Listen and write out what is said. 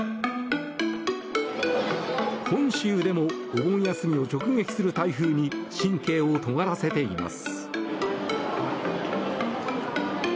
本州でもお盆休みを直撃する台風に神経をとがらせています。